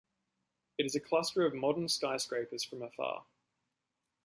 It is a cluster of modern skyscrapers from afar.